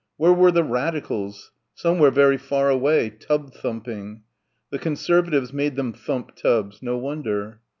Where were the Radicals? Somewhere very far away ... tub thumping ... the Conservatives made them thump tubs ... no wonder.